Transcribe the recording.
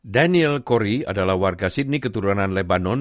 daniel corey adalah warga sydney keturunan lebanon